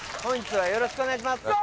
今よろしくお願いします